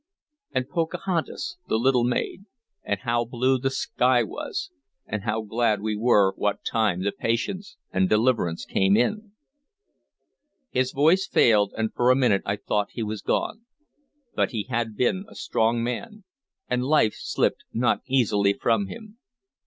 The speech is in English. And Pocahontas, the little maid... and how blue the sky was, and how glad we were what time the Patience and Deliverance came in!" His voice failed, and for a minute I thought he was gone; but he had been a strong man, and life slipped not easily from him.